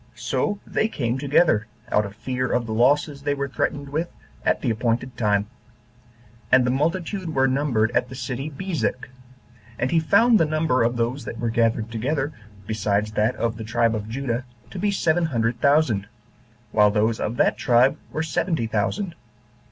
So they came together, out of fear of the losses they were threatened with, at the appointed time. And the multitude were numbered at the city Bezek. And he found the number of those that were gathered together, besides that of the tribe of Judah, to be seven hundred thousand, while those of that tribe were seventy thousand.